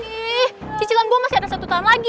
nih cicilan gue masih ada satu tahun lagi